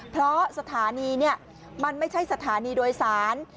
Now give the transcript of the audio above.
เพราะสถานีมันไม่ใช่สถานีโดยสาร